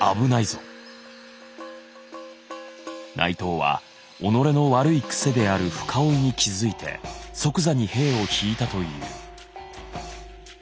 内藤は己の悪い癖である深追いに気付いて即座に兵を引いたという。